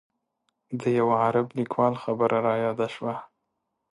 د یوه عرب لیکوال خبره رایاده شوه.